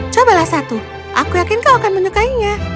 cobalah satu aku yakin kau akan menyukainya